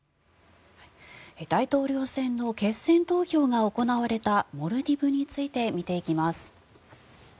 大統領選の決選投票が行われたモルディブについて見ていきます。